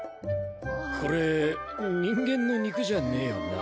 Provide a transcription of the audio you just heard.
これ人間の肉じゃねえよな？